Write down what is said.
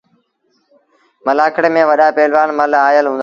ملآکڙي ميݩ وڏآ پهلوآن مله آئيٚل هُݩدآ۔